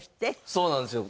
そうなんですよ。